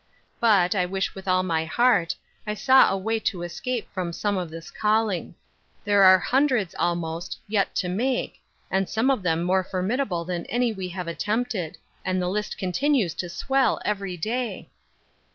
"But, I wish with all my heart, I saw a way to escape from some of this calling. There are hundreds, almost, yet to make, and some of them more formidable than any that we have attempted ; and the list con tinues to swell every day."